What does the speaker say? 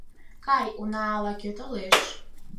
Кай, уна ала-кӧ толеш!